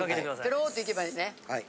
てろっていけばいいんですね。